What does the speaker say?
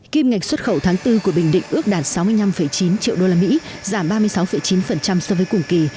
kim ngạch xuất khẩu tháng bốn của bình định ước đạt sáu mươi năm chín triệu usd giảm ba mươi sáu chín so với cùng kỳ